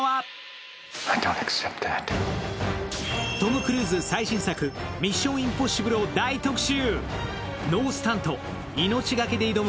トム・クルーズ最新作、「ミッション：インポッシブル」を大特集。